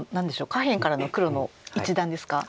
下辺からの黒の一団ですか。